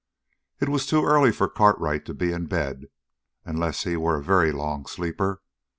It was too early for Cartwright to be in bed, unless he were a very long sleeper.